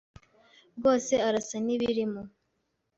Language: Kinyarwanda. rwose arasa nibirimo.